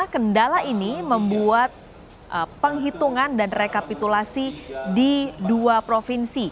kendala ini membuat penghitungan dan rekapitulasi di dua provinsi